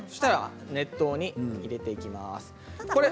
熱湯に入れていきます。